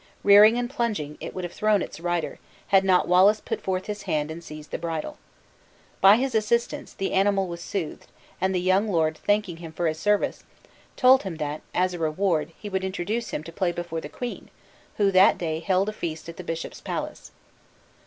Rearing and plunging, it would have thrown its rider, had not Wallace put forth his hand and seized the bridle. By his assistance, the animal was soothed; and the young lord thanking him for his service, told him that, as a reward, he would introduce him to play before the queen, who that day held a feast at the bishop's palace.